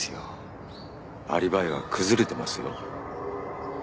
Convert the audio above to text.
アリバイは崩れてますよ。